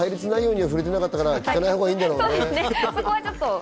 その対立には触れていなかったから聞かないほうがいいんだろうね。